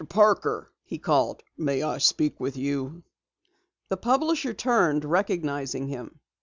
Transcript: Parker!" he called. "May I speak with you?" The publisher turned, recognizing him.